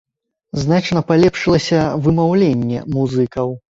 Значна палепшылася вымаўленне музыкаў.